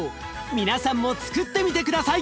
皆さんもつくってみて下さい。